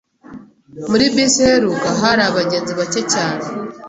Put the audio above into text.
Muri bisi iheruka hari abagenzi bake cyane